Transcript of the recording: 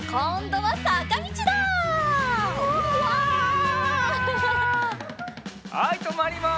はいとまります。